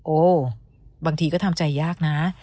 โอ้บางทีก็ทำใจยากนะ